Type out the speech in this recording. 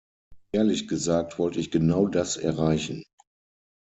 Ehrlich gesagt wollte ich genau das erreichen.